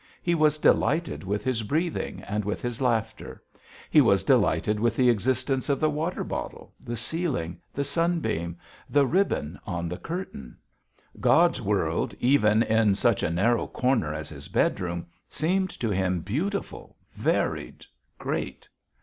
He was delighted with his breathing and with his laughter; he was delighted with the existence of the water bottle, the ceiling, the sunbeam, the ribbon on the curtain. God's world, even in such a narrow corner as his bedroom, seemed to him beautiful, varied, great.